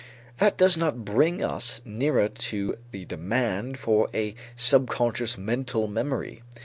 That does not bring us nearer to the demand for a subconscious mental memory.